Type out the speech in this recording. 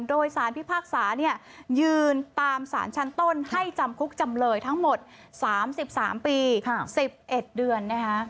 โดยสารพิพากษายืนตามสารชั้นต้นให้จำคุกจำเลยทั้งหมด๓๓ปี๑๑เดือนนะคะ